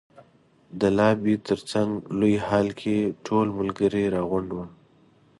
د لابي تر څنګ لوی هال کې ټول ملګري را غونډ وو.